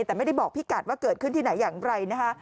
แต่ไม่ได้บอกพี่กัดว่าเกิดขึ้นที่ไหนอย่างไรนะคะ